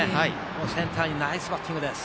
センターにナイスバッティングです。